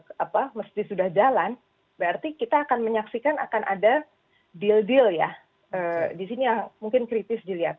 dan berarti kalau pertahanan keamanan yang sudah ditanamkan itu apa sudah jalan berarti kita akan menyaksikan akan ada deal deal ya di sini mungkin kritis dilihat